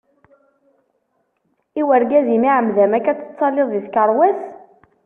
I urgaz-im? iɛemmed-am akka ad tettalliḍ di tkerwas ?